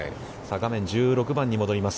画面１６番に戻ります。